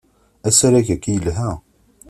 Asarag-agi yelha.